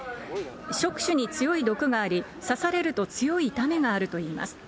触手に強い毒があり、刺されると強い痛みがあるといいます。